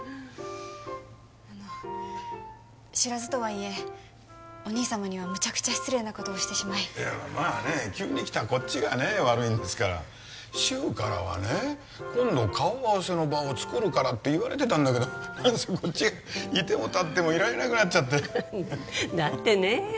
あの知らずとはいえお兄様にはムチャクチャ失礼なことをしてしまいいやまあね急に来たこっちがね悪いんですから柊からはね今度顔合わせの場をつくるからって言われてたんだけど何せこっちが居ても立ってもいられなくなっちゃってだってねえ